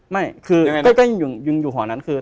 ไม่คือก็ยังอยู่หอนั้นคือ